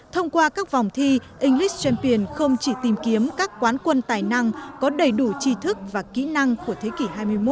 thông qua các vòng thi english champion không chỉ tìm kiếm các quán quân tài năng có đầy đủ trí thức và kỹ năng của thế kỷ hai mươi một